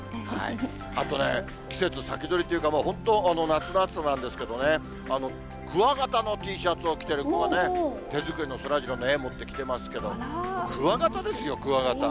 あとね、季節先取りというか、本当、夏の暑さなんですけどね、クワガタのＴシャツを着てる子が手作りのそらジローの絵持ってきてますけど、クワガタですよ、クワガタ。